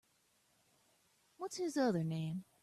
What’s his other name?